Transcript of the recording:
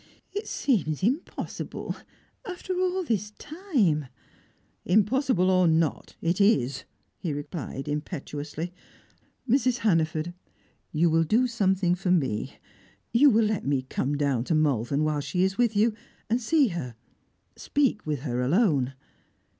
It seems impossible after all this time " "Impossible or not, it is!" he replied impetuously. "Mrs. Hannaford, you will do something for me. You will let me come down to Malvern, whilst she is with you, and see her speak with her alone."